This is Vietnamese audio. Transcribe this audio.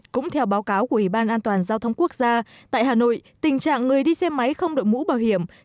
cũng theo báo cáo của ủy ban an toàn giao thông quốc gia tại hà nội tình trạng người đi xe máy không đội mũ bảo hiểm